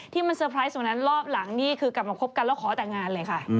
ที่มันสุดสนใจตอนนั้นรอบหลังนี้คือกลับมาคบกันแล้วขอแต่งงานเลยค่ะ